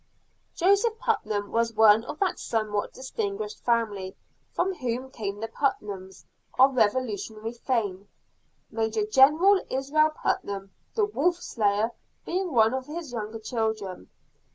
Joseph Putnam was one of that somewhat distinguished family from whom came the Putnams of Revolutionary fame; Major General Israel Putnam, the wolf slayer, being one of his younger children.